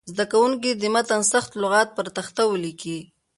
زده کوونکي دې د متن سخت لغات پر تخته ولیکي.